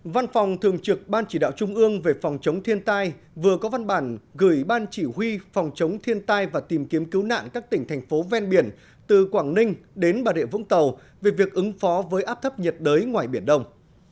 văn phòng thường trực ban chỉ đạo trung ương về phòng chống thiên tai vừa có văn bản gửi ban chỉ huy phòng chống thiên tai và tìm kiếm cứu nạn các tỉnh thành phố ven biển từ quảng ninh đến bà rịa vũng tàu về việc ứng phó với áp thấp nhiệt đới ngoài biển đông